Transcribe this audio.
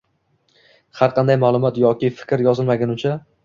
Har qanday ma’lumot yoki fikr yozilmagunicha